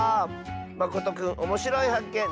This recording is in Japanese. まことくんおもしろいはっけん